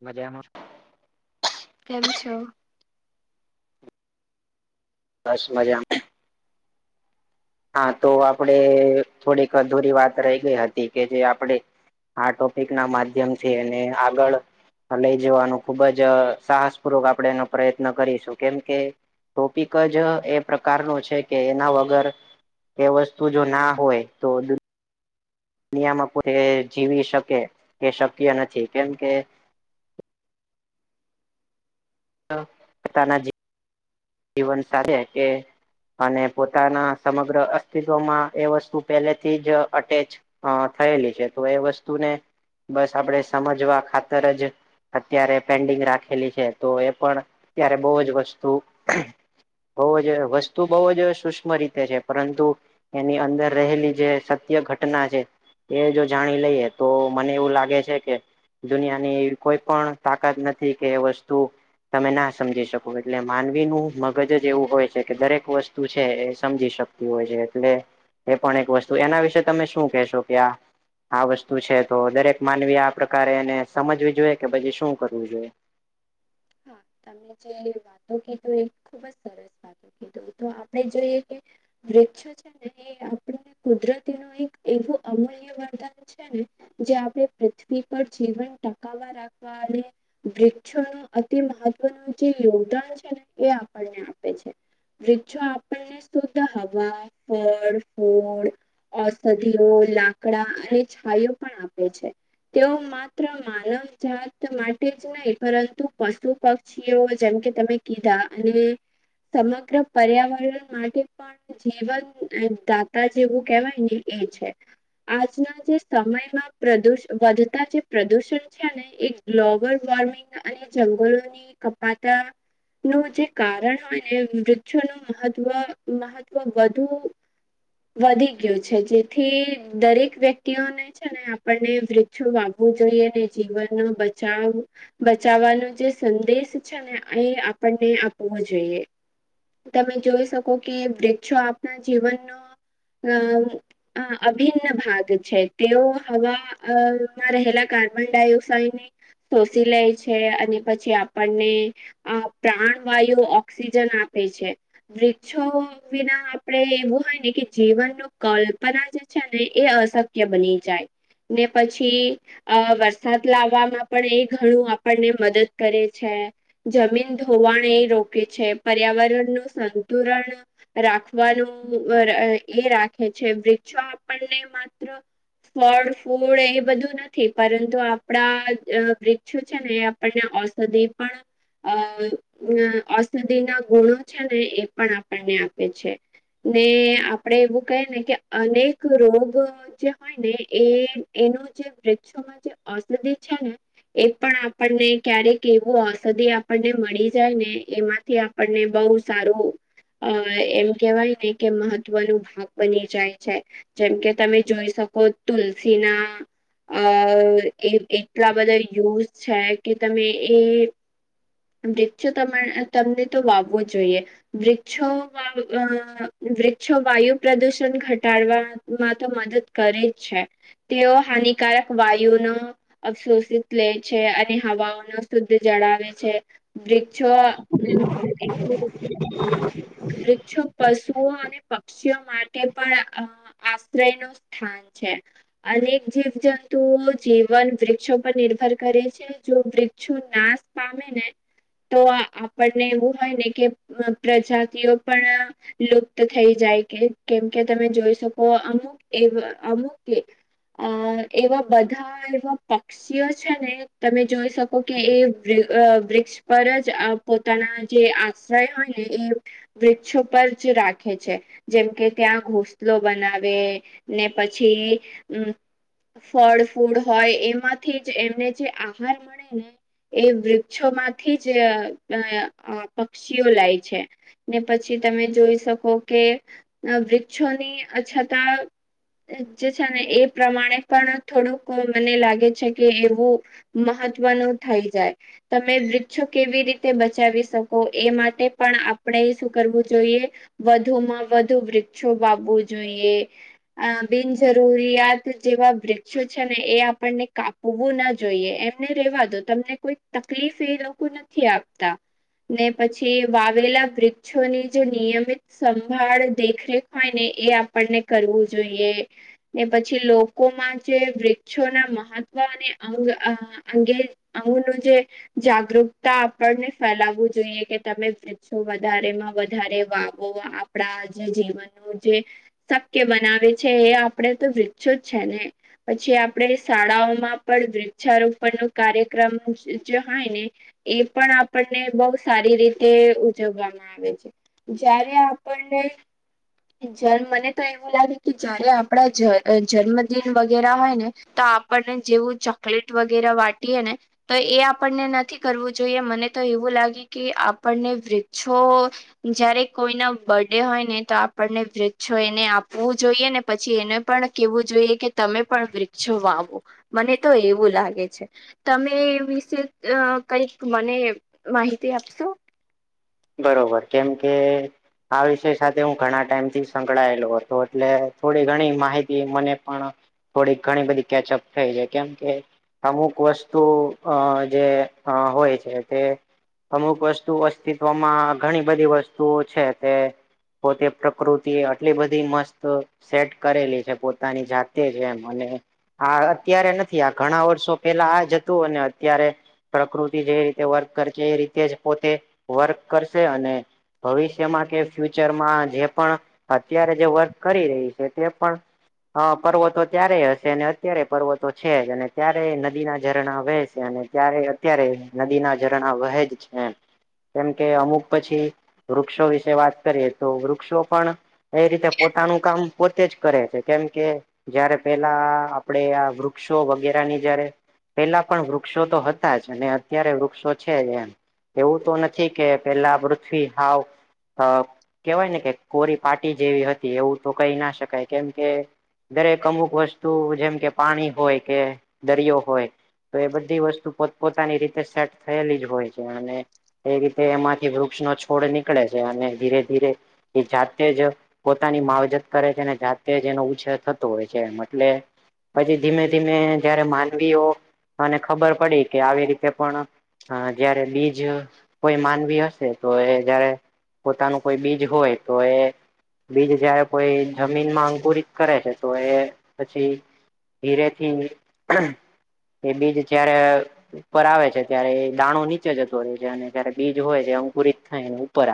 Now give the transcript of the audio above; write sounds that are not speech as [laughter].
મજામાં. કેમ છો? બસ, મજા મં. હા, તો આપડે થોડીક અધૂરી વાત રહી ગઈ હતી કે, જે આપડે. આ ટોપિક ના માધ્યમથી એને આગળ લઈ જવાનું ખુબ જ અ સાહસપૂર્વક આપડણે એનો પ્રયત્ન કરીશું કેમ કે ટોપિક જ એ પ્રકાર નો છે કે, એના વગર એ વસ્તુ જો ના હોય તો દુનિયામાં પ એ જીવી શકે, એ શક્ય નથી. કેમ કે અ તાના જી જીવન સાઆરે એ કે અને પોતાના સમગ્ર અસ્તિત્વમાં એ વસ્તુ પહેલેથી જ અટેચ અ થયેલી છે. તો એ વસ્તુને બસ આપણેે સમજવા ખાતર જ અત્યારે પેન્ડિંગ રાખેલી છે, તો એ પણ ત્યારે બોવ જ વસ્તુ બોવ જ વસ્તુ બોવ જ સ સુસ્મ રીતે છે, પરંતુ એની અંદર રહેલી જે સત્ય ઘટના છે. એ જો જાણી લઈએ, તો મને એવું લાગે છે કે દુનિયાની કોઈ પણ તાકાત નથી, કે વસ્તુ તમે ના સમજી શકો એટલે માન ક્તિનું મગજ જ એવું હોય છે, કે દરેક વસ્તુ છે એ સમજી શકતી હોય છે એટલે એ પણ એક વસ્તુ એના વિશે તમે શું કહેશો, કે આ આ વસ્તુ છે. તો દરેક માનવી આ પ્રકારે એને સમજવી જોઈએ, કે પછી શું કરવું જોઈએ? હા તમે જે વાતો કીધું, એ ખુબ જ સરસ વાતો કીધું. તો આપડણે જોઈએ કે [unintelligible] છે ને, એ આપડે કુદરતી નું એક એવું અમૂલ્ય વરદાન છેને જે આપડણે પૃથ્વી પર જીવન ટકાવવા રા વાલે વૃક્ષોનું અત્ તે મહત્વનું જે યોગદાન છે ને, એ આપણને આપે છે. વૃક્ષો આપન્ને શુદ્ધ હવા, ફળ, ફોળ ઔષધિઓ, લાકડા અને છાયો પણ આપે છે. તેઓ માત્ર માનવ જાત માટે જ નઈ, પરંતુ પશુ, પક્ષીઓ. જેમ કે, તમે કીધા અને સમગ્ર પર્યાવરણ માટે પણ. જીવન [unintelligible] દાતા જેવું કેહવાય ને એ છે. આજના જે સમયમાં પ્રદુષ વધતા જે પ્રદુષણ છે ને એ ગ્લોબલ-વોર્મિંગ. [unintelligible] અને જંગલોની કપાતા. નું જે કારણ હોય ને વૃક્ષોનું મહત્વ, મહત્વ વધુ. વધી ગ્યો છે. જેથી દરેક વ્યક્તિઓને છે ને આપણને. વૃક્ષો વાવું જોઈએ ને. જીવનનો બચાવ બચાવવાનું. જે સંદેશ છે ને, એ આપણને આપવો જોઈએ. તમે જોઈ શકો કે, વૃક્ષો આપણા જીવનનો. અ અભિન્ન ભાગ છે, તેઓ હવા. અ માં રહેલા, કાર્બન ડાયોક્સાઇડને શોષી લે છે અને. પછી આપણને આ પ્રાણવાયુ ઓક્સિજન આપે છે. વૃક્ષો વિના આપણેે એવું હોય ને કે જીવનનું. કલ્પના જે છે ને, એ અશક્ય બની જાય. ને પછી અ વરસાદ લાવવામાં પણ, એ ઘણું આપણને મદદ કરે છે. જમીન ધોવાણ એ રોકે છે. પર્યાવરણનું સંતુલન. રાખવાનું એ રાખે છે. વૃક્ષો આપણને માત્ર. ફળ, ફૂડ, એ બધું નથી પરંતુ આપણા વૃક્ષો છે. ને એ આપણને કદી પણ. અ ઔષધિના ગુણો છે ને, એ પણ આપણને આપે છે. ને આપડે એવું કહે ને કે અનેક રોગ જે હોય ને એ એનું જે વૃક્ષોમાં જે ઔષધિ છે ને. એ પણ આપણને ક્યારેક. એવું ઔષધિ આપણે મળી જાયને, એમાંથી આપણને બહુ સારું. અ એમ કેહેવાય ને કે મહત્વનો ભાગ બની જાય છે. જેમ કે તમે જોઈ શકો તુલસીના. અ એ એટલા બધા યુઝ છે, કે તમે એ. [unintelligible] તમને તો વાવવો જોઈએ વૃક્ષો વાવવા, વૃક્ષો વાયુ પ્રદુષણ ઘટાડવા માં તો મદદ છે. તેઓ હાનિકારક વાયુનો અફસોષિત લે છે. અને હવાઓનો. શુદ્ધ જડાવે છે. વૃક્ષો. [inaudible] વૃક્ષો પશુઓ અને પક્ષીઓ માટે પણ અ. આશ્રયનું સ્થાન છે. અનેક જીવજંતુઓ જીવન વૃક્ષો પર નિર્ભર કરે છે. જો વૃક્ષો નાશ પામે ને તો આપણને એવું હોય ને, કે પ્રજાતિઓ પણ. લુપ્ત થઈ જાય કે કેમ કે તમે જોઈ શકો અમુક એ અમુક. અ એવા બધા એવા પક્ષીઓ છે ને. તમે જોઈ શકો કે એ અ વૃક્ષ. પર જ આ પોતાના જે આશ્રય હોય ને એ. વૃક્ષો પર જ રાખે છે. જેમ કે ત્યાં ઘોસલો બનાવે, ને પછી. ફળ, ફૂડ, હોય એમાંથી જ એમને જે આહાર મળે ને. એ વૃક્ષોમાંથી જ અ અ પક્ષીઓ લાય છે. ને પછી તમે જોઈ શકો કે વૃક્ષોની અ છતાં જે છે ને એ પ્રમાણે પણ થોડુંક મને લાગે છે કે એવું મહત્વનું થઈ જાય તમે વૃક્ષો કેવી રીતે બચાવી શકો એ માટે પણ આપ પણે શું કરવું જોઈએ વધુમાં વધુ વૃક્ષો વાવું જોઈએ. અ બિનજરૂરિયાત જેવા વૃક્ષો છે ને એ આપણને કાપ વું ના જોઈએ એમને રેવા દો તમને કોઈ તકલીફ એ લોકો નથી આપતા ને પછી વાવેલા વૃક્ષોની જે નિયમિત સંભાળ દેખરેખ હોયને એ આપણને કરવું જોઈએ. ને પછી લોકોમાં જે વૃક્ષોના મહત્વ અને અંગ અ અંગે આવું ન જે જાગૃકતા આપણને ફેલાવવું જોઈએ કે તમે વૃક્ષો વધ વધારેમાં વધારે વાવો આપણા જે જીવનનું જે શક્ય બનાવે છે એ આપણેે તો વૃક્ષો જ છે ને પછી આપણે શાળાઓમાં પણ વૃક્ષારોપણ નું કાર્યક્રમ ઉજ હાય ને એ પણ આપણને બહુ સારી રીતે જોવામાં આવે છે જયારે આપને જ મને તો એવું લાગે કે જયારે આપણા જ જન્મદિન વગેરે હોય ને તો આપણને જેવું ચોકલેટ વગેરે વાટીએ ને તો એ આપણને નથી કરવું જોઈએ મને તો એવું લાગે કે આપણને વૃક્ષો જયારે કોઈના બર્ડે હોય ને તો આપણને વૃક્ષો એને આપવું જોઈએ ને પછી એને પણ કેવું જોઈએ કે તમે પણ વૃક્ષો વાવો મને તો એવું લાગે છે. તમે એ વિશે અ કંઈક મને માહિતી આપશો બરોબર કેમ કે આ વિષય સાથે હું ઘણા ટાઈમથી સંકળાયેલો હતો એટલે થોડી ઘણી માહિતી મને પણ થોડીક ઘણી બધી કેચઅપ થઈ છે કેમ કે અમુક વસ્તુ અ જે અ હોય છે તે અમુક વસ્તુ અસ્તિત્વમાં ઘણી બધી વસ્તુઓ છે તે પોતે પ્રકૃતિ આટલી બધી મસ્ત સેટ કરેલી છે પોતાની જાતે જ એમ અને આ અત્યારે નથી આ ઘણા વર્ષો પેલા આ જ હતું અને અત્યારે પ્રકૃતિ જે રીતે વર્ક કરશે એ રીતે જ પોતે વર્ક કરશે અને ભવિષ્યમાં કે ફ્યુચરમાં જે પણ અત્યારે જે વર્ક કરી રહી છે તે પણ હા પર્વતો ત્યારે હશે અને અત્યારે પર્વતો છે જ અને ત્યારે નદીના ઝરણા વહેશે અને ત્યારે અત્યારે નદી ના ઝરણા વહે જ છે કેમ કે અમુક પછી વૃક્ષો વિશે વાત કરીએ તો વૃક્ષો પણ એ રીતે પોતાનું કામ પોતે છે કેમ કે જયારે પેલા આપડે આ વૃક્ષો વગેરા ની જયારે પેલા પણ વૃક્ષો તો હતા જ અને ત્યારે વૃક્ષો છે જ એમ એવું તો નથી કે પેલા પૃથ્વી હાવ અ કેવાય ને કે કોરી માટી જેવી હતી એવું તો કહી ના શકાય કેમ કે દરેક અમુક વસ્તુ જેમ કે પાણી હોય કે દરિયો હોય તો એ બધી વસ્તુ પોતપોતાની રીતે સેટ થયેલી જ હોય છે અને એ રીતે એમાંથી વૃક્ષનો છોડ નીકળે છે અને ધીરે ધીરે એ જાતે જ પોતાની માવજત કરે છે ને જાતે જ એનો ઉછર થતો હોય છે એમ એટલે પછી ધીમે ધીમે જયારે માનવીઓ અને ખબર પડી કે આવી રીતે પણ હા જયારે બીજુ કોઈ માનવી હશે તો એ જયારે પોતાનું કોઈ બીજ હોય તો એ બીજ જયારે કોઈ જમીનમાં અંકુરિત કરે છે તો એ પછી ધીરેથી એ બીજ જયારે ઉપર આવે છે ત્યારે એ દાણો નીચે જતો રહે છે અને જયારે બીજ હોય જે અંકુરિત થાય ને ઉપર આવે.